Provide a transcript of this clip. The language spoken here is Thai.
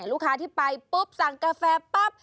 ลูกค้าที่ไปปุ๊บสั่งกาแฟปั๊บ